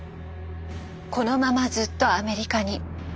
このままずっとアメリカに。